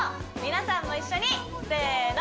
皆さんも一緒にせーの！